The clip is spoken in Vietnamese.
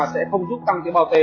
sẽ không giúp tăng tế bào t